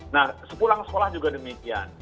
nah sepulang sekolah juga demikian